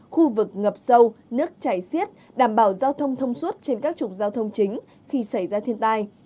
khu vực ngập sâu nước chảy xiết đảm bảo giao thông thông suốt trên các trục giao thông chính khi xảy ra thiên tai